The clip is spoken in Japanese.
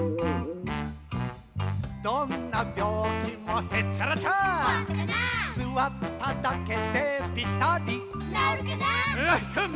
どんなびょうきもへっちゃらちゃほんとかなすわっただけでぴたりなおるかなエヘン！